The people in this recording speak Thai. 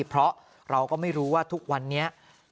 เพราะเราก็ไม่รู้ว่าทุกวันนี้